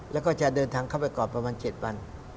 แล้วก็จะเดินทางเข้าไปกรอบประมาณ๗วัน